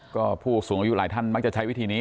ก็ผู้สูงอายุหลายท่านมักจะใช้วิธีนี้